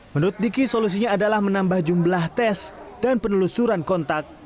menurut diki solusinya adalah menambah jumlah tes dan penelusuran kontak